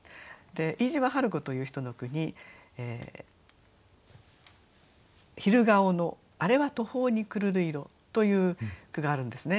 飯島晴子という人の句に「昼顔のあれは途方に暮るる色」という句があるんですね。